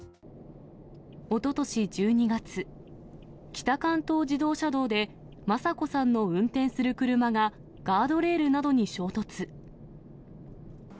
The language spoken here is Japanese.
おととし１２月、北関東自動車道で昌子さんの運転する車が、ガードレールなどに衝突。